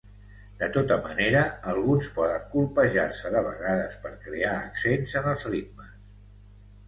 De tota manera, alguns poden colpejar-se de vegades per crear accents en els ritmes.